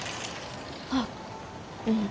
あううん。